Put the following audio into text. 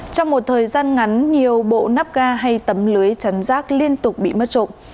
trong một thời gian ngắn nhiều bộ nắp ga hay tấm lưới chấm rác liên tục bị mất trộn